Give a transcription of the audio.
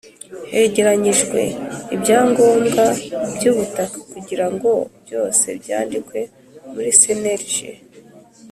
Hegeranyijwe ibyangombwa by ubutaka kugira ngo byose byandikwe kuri cnlg